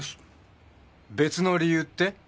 別の理由って？